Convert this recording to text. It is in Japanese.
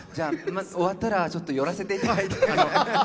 終わったら、ちょっと寄らせていただいて。